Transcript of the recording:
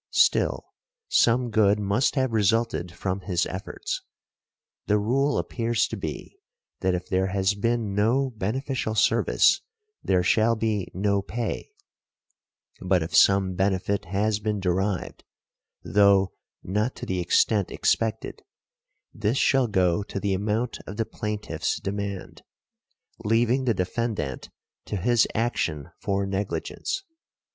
Still, some good must have resulted from his efforts. The rule appears to be that if there has been no beneficial service there shall be no pay; but if some benefit has been derived, though not to the extent expected, this shall go to the amount of the plaintiff's demand, leaving the defendant to his action for negligence .